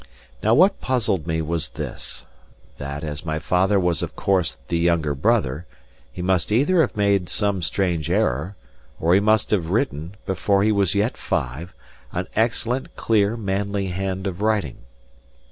Now, what puzzled me was this: That, as my father was of course the younger brother, he must either have made some strange error, or he must have written, before he was yet five, an excellent, clear manly hand of writing.